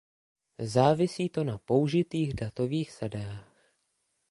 Závisí to na použitých datových sadách.